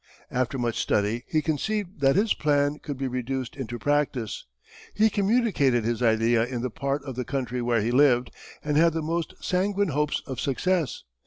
After much study he conceived that his plan could be reduced into practice. He communicated his idea in the part of the country where he lived, and had the most sanguine hopes of success.